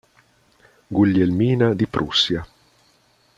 Guglielmina di Prussia